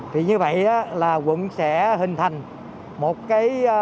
thì như vậy là quận sẽ hình thành một cái